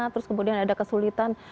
terus kemudian ada kesulitan